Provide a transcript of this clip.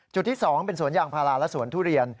จุดที่๒เป็นสวนยางพาราและสวนทุเรียน